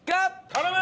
頼む！